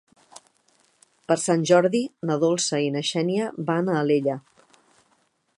Per Sant Jordi na Dolça i na Xènia van a Alella.